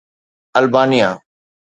Albania